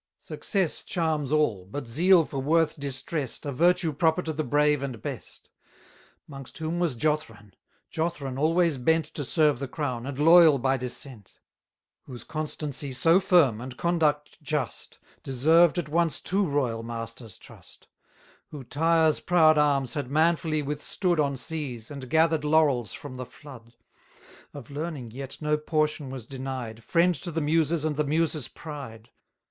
Success charms all, but zeal for worth distress'd, A virtue proper to the brave and best; 810 'Mongst whom was Jothran Jothran always bent To serve the crown, and loyal by descent; Whose constancy so firm, and conduct just, Deserved at once two royal masters' trust; Who Tyre's proud arms had manfully withstood On seas, and gather'd laurels from the flood; Of learning yet no portion was denied, Friend to the Muses and the Muses' pride.